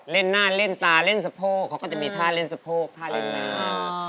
เล่นหน้าเล่นตาเล่นสะโพกเขาก็จะมีท่าเล่นสะโพกท่าเล่นน้ำ